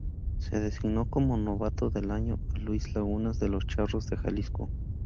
Se designó como novato del año a Luis Lagunas de los Charros de Jalisco.